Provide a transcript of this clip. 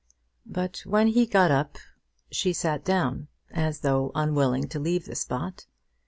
But when he got up she sat down, as though unwilling to leave the spot.